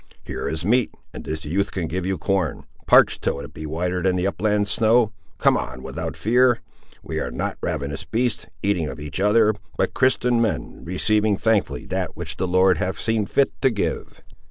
Here is meat, and this youth can give you corn, parch'd till it be whiter than the upland snow; come on, without fear. We are not ravenous beasts, eating of each other, but Christian men, receiving thankfully that which the Lord hath seen fit to give."